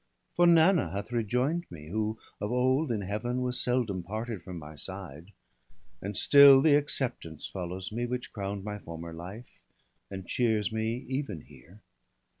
For Nanna hath rejoin'd me, who, of old, In Heaven, was seldom parted from my side ; And still the acceptance follows me, which crown'd My former life, and cheers me even here.